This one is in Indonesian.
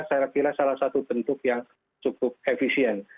saya kira salah satu bentuk yang cukup efisien